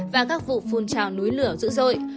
và các vụ phun trào núi lửa dữ dội